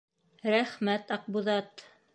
— Рәхмәт, Аҡбуҙат.